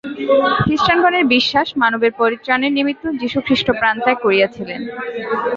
খ্রীষ্টানগণের বিশ্বাস, মানবের পরিত্রাণের নিমিত্ত যীশুখ্রীষ্ট প্রাণত্যাগ করিয়াছিলেন।